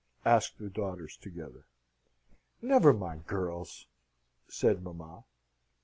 asked the daughters together. "Never mind, girls!" said mamma.